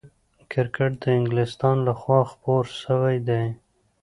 کرکټ د انګلستان له خوا خپور سوی دئ.